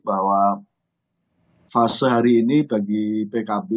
bahwa fase hari ini bagi pkb